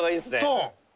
そう！